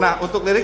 nah untuk lirik